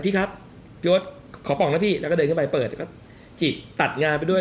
พี่ครับยศขอป่องนะพี่แล้วก็เดินขึ้นไปเปิดก็จีบตัดงานไปด้วย